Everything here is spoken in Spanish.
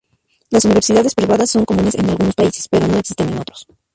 Las universidades privadas son comunes en algunos países, pero no existen en otros.